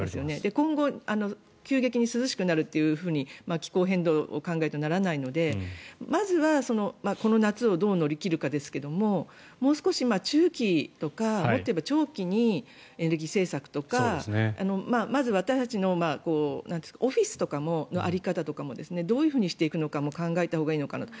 今後、急激に涼しくなるって気候変動を考えるとならないのでまずは、この夏をどう乗り切るかですがもう少し中期とかもっと言えば長期にエネルギー政策とかまず、私たちのオフィスとかの在り方とかもどういうふうにしていくかも考えたほうがいいのかなと。